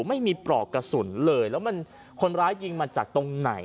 ไม่มีปลอกกระสุนเลยแล้วมันคนร้ายยิงมาจากตรงไหน